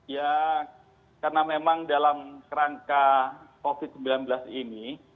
ya karena memang dalam kerangka covid sembilan belas ini